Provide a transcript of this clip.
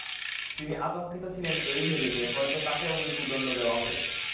তিনি আতঙ্কিত ছিলেন এই ভেবে যে হয়তো তাকেও মৃত্যুদণ্ড দেয়া হবে।